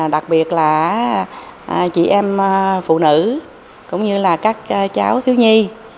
đặc biệt là chị em phụ nữ cũng như là các cháu thiếu nhi